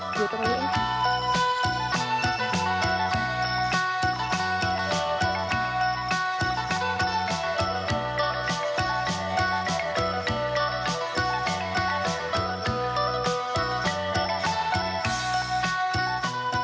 อยู่ตรงนี้